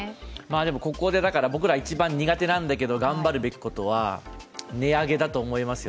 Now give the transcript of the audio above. でも、ここで僕ら、一番苦手なんだけど頑張ることは値上げだと思いますよ。